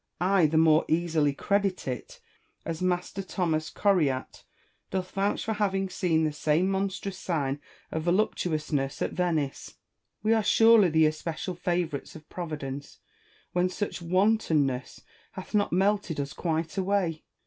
I the more easily credit it, as Master Thomas Coriatt doth vouch for having seen the same monstrous sign of LORD BACON AND RICHARD HOOKER. 129 voluptuousness at Venice. We are surely the especial favourites of Providence, when such wantonness hath not melted us quite away.